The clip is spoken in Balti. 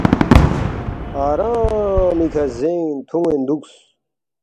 آرامی کھہ زین تُھون٘ین دُوکس